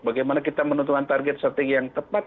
bagaimana kita menentukan target strategi yang tepat